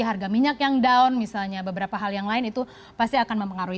harga minyak yang down misalnya beberapa hal yang lain itu pasti akan mempengaruhi